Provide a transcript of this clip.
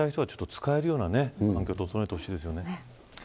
使いたい人は使えるような環境を整えてほしいですね。